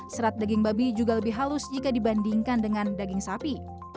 serat daging babi juga lebih halus jika dibandingkan dengan daging sapi